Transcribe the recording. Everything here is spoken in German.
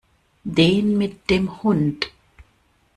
Den mit dem Hund.